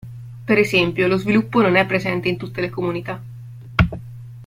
Per esempio, lo sviluppo non è presente in tutte le comunità.